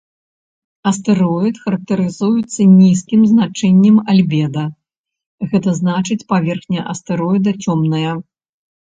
Астэроід характарызуецца нізкім значэннем альбеда, гэта значыць паверхня астэроіда цёмная.